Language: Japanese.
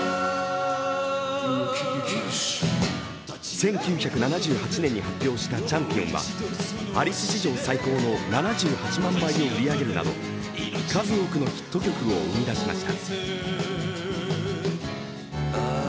１９７８年に発表した「チャンピオン」はアリス史上最高の７８万枚を売り上げるなど数多くのヒット曲を生み出しました。